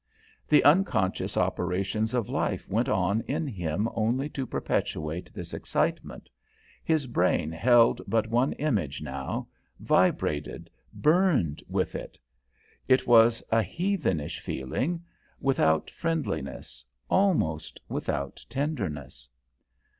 The unconscious operations of life went on in him only to perpetuate this excitement. His brain held but one image now vibrated, burned with it. It was a heathenish feeling; without friendliness, almost without tenderness.